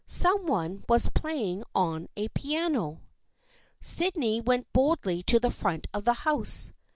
Some one was playing on a piano. Sydney went boldly to the front of the house.